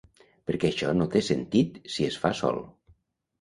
Perquè això no té sentit si es fa sol.